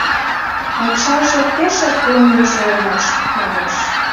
Ачаже пешак пуынеже улмаш, манеш.